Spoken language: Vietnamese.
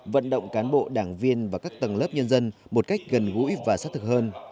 vận động cán bộ đảng viên và các tầng lớp nhân dân một cách gần gũi và sát thực hơn